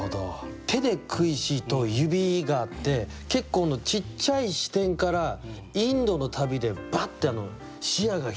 「手で食いし」と「指」があって結構ちっちゃい視点から「インドの旅」でバッて視野が広がる感じがして。